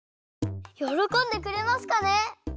よろこんでくれますかね？